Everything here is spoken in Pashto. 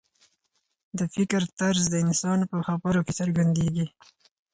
د فکر طرز د انسان په خبرو کې څرګندېږي.